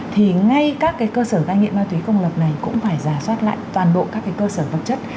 thì ngay các cái cơ sở cai nghiện ma túy công lập này cũng phải gia soát lại toàn bộ các cái cơ sở vật chất